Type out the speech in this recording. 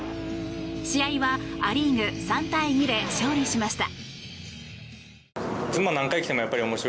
試合はア・リーグが３対２で勝利しました。